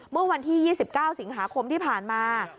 เมื่อวันที่๒๙สิงหาคมที่ผ่านมา